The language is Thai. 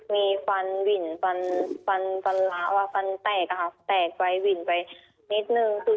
มีฟันวิ่นฟันล้าฟันแตกแตกไปวิ่นไปนิดนึง